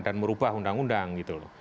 dan merubah undang undang gitu loh